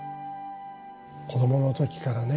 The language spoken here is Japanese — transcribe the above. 子どもの時からね